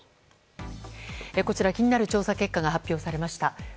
こちら、気になる調査結果が発表されました。